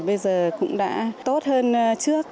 bây giờ cũng đã tốt hơn trước